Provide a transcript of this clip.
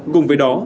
cùng với đó